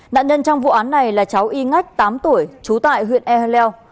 nạn nhân trong vụ án này là cháu y ngách tám tuổi chú tại huyện ehleu